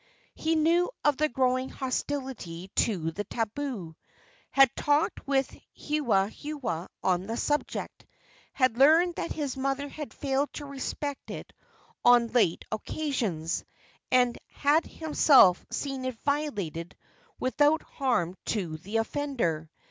He knew of the growing hostility to the tabu; had talked with Hewahewa on the subject; had learned that his mother had failed to respect it on late occasions, and had himself seen it violated without harm to the offender.